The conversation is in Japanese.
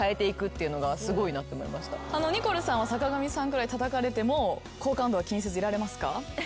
ニコルさんは坂上さんぐらいたたかれても好感度は気にせずいられますか？